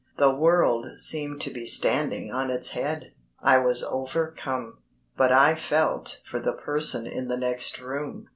The world seemed to be standing on its head. I was overcome; but I felt for the person in the next room.